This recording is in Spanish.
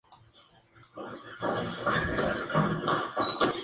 El diagnóstico se basa principalmente en la clínica y los hallazgos de laboratorio.